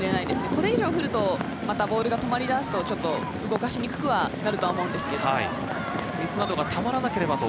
これ以上降ってボールが止まりだすと、動かしにくくなるとは思うのですが。